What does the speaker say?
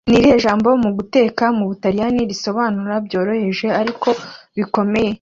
Ni irihe jambo mu guteka mu Butaliyani risobanura “Byoroheje Ariko Bikomeye”?